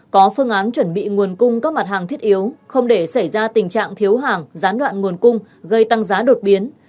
có phương án chuẩn bị nguồn cung các mặt hàng thiết yếu không để xảy ra tình trạng thiếu hàng gián đoạn nguồn cung gây tăng giá đột biến